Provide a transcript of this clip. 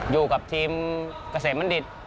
อยู่กับทีมเกษมบัณฑิต